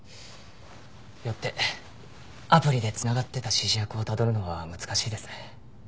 よってアプリで繋がってた指示役をたどるのは難しいです。